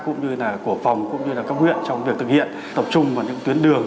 cũng như là của phòng cũng như là cấp huyện trong việc thực hiện tập trung vào những tuyến đường